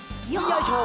よいしょ